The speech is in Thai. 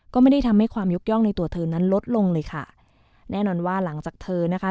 ก็ไม่ได้ทำให้ความยกย่องในตัวเธอนั้นลดลงเลยค่ะแน่นอนว่าหลังจากเธอนะคะ